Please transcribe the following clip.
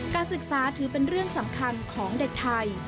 การศึกษาถือเป็นเรื่องสำคัญของเด็กไทย